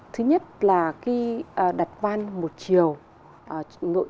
thứ nhất là cái đặt van một chiều